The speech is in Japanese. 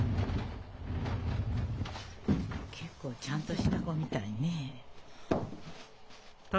結構ちゃんとした子みたいねえ。